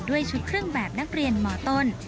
ด้วยชุดเครื่องแบบนักเรียนมต้น